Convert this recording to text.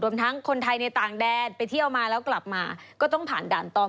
ทั้งคนไทยในต่างแดนไปเที่ยวมาแล้วกลับมาก็ต้องผ่านด่านตอง